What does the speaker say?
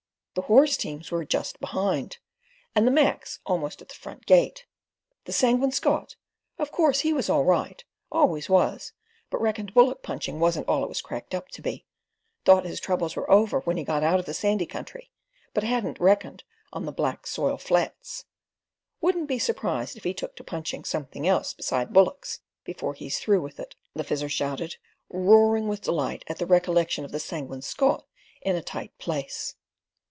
The horse teams were "just behind," and the Macs almost at the front gate. The Sanguine Scot? Of course he was all right: always was, but reckoned bullock punching wasn't all it was cracked up to be; thought his troubles were over when he got out of the sandy country, but hadn't reckoned on the black soil flats. "Wouldn't be surprised if he took to punching something else besides bullocks before he's through with it," the Fizzer shouted, roaring with delight at the recollection of the Sanguine Scot in a tight place.